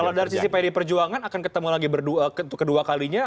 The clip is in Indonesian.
kalau dari sisi pd perjuangan akan ketemu lagi untuk kedua kalinya